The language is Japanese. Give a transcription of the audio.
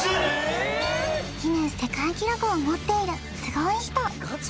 ギネス世界記録を持っているスゴい人